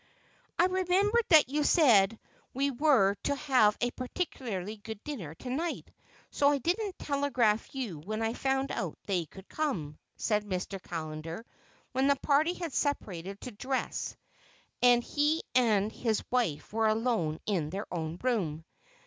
"I remembered that you said we were to have a particularly good dinner to night, so I didn't telegraph you when I found that they could come," said Mr. Callender when the party had separated to dress and he and his wife were alone in their own room.